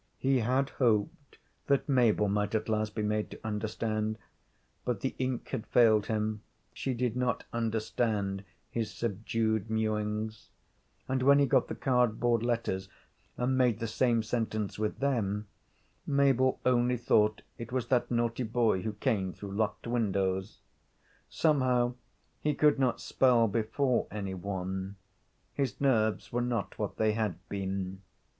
He had hoped that Mabel might at last be made to understand, but the ink had failed him; she did not understand his subdued mewings, and when he got the cardboard letters and made the same sentence with them Mabel only thought it was that naughty boy who came through locked windows. Somehow he could not spell before any one his nerves were not what they had been.